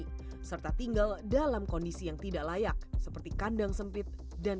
dan mereka juga tidak memiliki kekuatan untuk menerapkan standar keselamatan